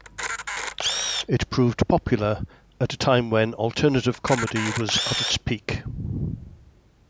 It proved popular at a time when alternative comedy was at its peak.